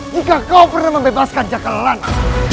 jika kau pernah membebaskan jakalalana